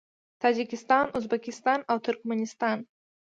تاجکستان، ازبکستان او ترکمنستان